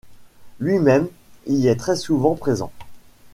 Lui-même y est très souvent présent.